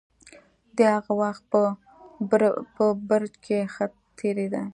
د هغه وخت په برج کې ښه تېرېده.